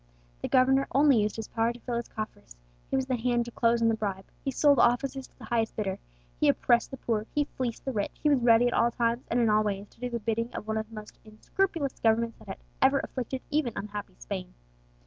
The governor only used his power to fill his coffers. His was the hand to close on the bribe; he sold offices to the highest bidder; he oppressed the poor, he fleeced the rich; he was ready at all times, and in all ways, to do the bidding of one of the most unscrupulous governments that had ever afflicted even unhappy Spain.